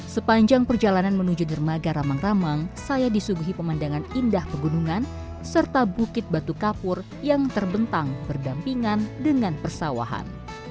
sepanjang perjalanan menuju dermaga ramang ramang saya disuguhi pemandangan indah pegunungan serta bukit batu kapur yang terbentang berdampingan dengan persawahan